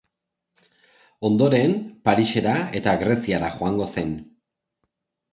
Ondoren, Parisera eta Greziara joango zen.